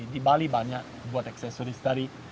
di bali banyak buat aksesoris dari